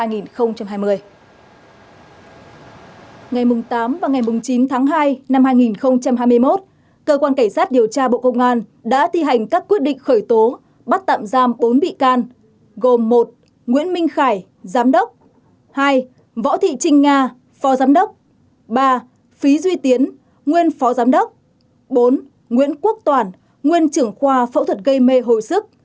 ngày tám và ngày chín tháng hai năm hai nghìn hai mươi một cơ quan cảnh sát điều tra bộ công an đã thi hành các quyết định khởi tố bắt tạm giam bốn bị can gồm một nguyễn minh khải giám đốc hai võ thị trinh nga phó giám đốc ba phí duy tiến nguyên phó giám đốc bốn nguyễn quốc toàn nguyên trưởng khoa phẫu thuật gây mê hồi sức